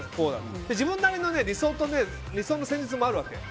自分なりの理想の戦術もあるわけ。